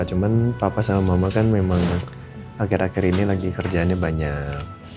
cuman papa sama mama kan memang akhir akhir ini lagi kerjaannya banyak